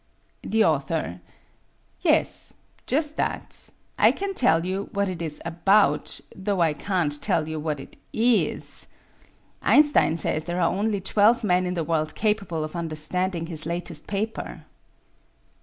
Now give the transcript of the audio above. The Author: Yes. Just that. I can tell you what it is about, though I can't tell you what it is. Einstein says that there are only twelve men in the world capable of understanding his latest paper.